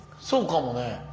そうかもね。